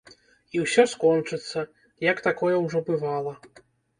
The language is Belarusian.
І ўсё скончыцца, як такое ўжо бывала.